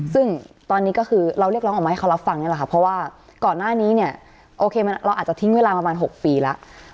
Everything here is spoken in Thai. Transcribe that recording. ซึ่งตอนนี้ก็คือเราเรียกร้องออกมาให้เขารับฟังนี่แหละค่ะเพราะว่าก่อนหน้านี้เนี่ยโอเคเราอาจจะทิ้งเวลาประมาณ๖ปีแล้ว